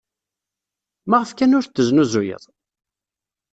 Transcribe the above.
Maɣef kan ur t-tesnuzuyeḍ?